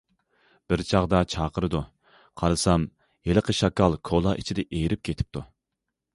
بىر چاغدا چاقىرىدۇ، قارىسام ھېلىقى شاكال كولا ئىچىدە ئېرىپ كېتىپتۇ.